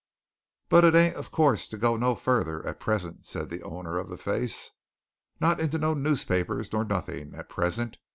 "But it ain't, of course, to go no further at present," said the owner of the face. "Not into no newspapers nor nothing, at present.